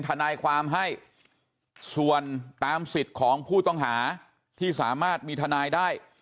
ทนายความให้ส่วนตามสิทธิ์ของผู้ต้องหาที่สามารถมีทนายได้